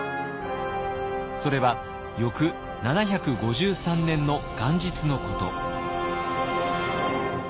それは翌７５３年の元日のこと。